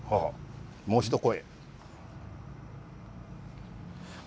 もう一声。